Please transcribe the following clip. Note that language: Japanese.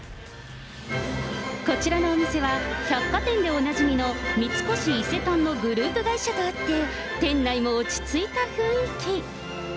こちらのお店は、百貨店でおなじみの三越伊勢丹のグループ会社とあって、店内も落ち着いた雰囲気。